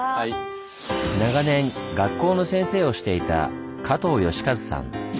長年学校の先生をしていた加藤好一さん。